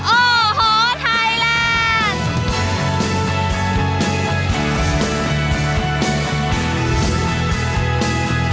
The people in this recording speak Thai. โอ้โหไทยแลนด์